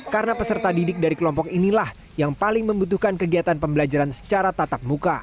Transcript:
karena peserta didik dari kelompok inilah yang paling membutuhkan kegiatan pembelajaran secara tatap muka